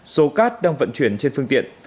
số cát đang vận chuyển trên phương tiện